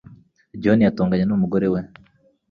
[John] John yatonganye n’umugore we.